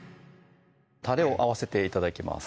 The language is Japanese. たれを合わせて頂きます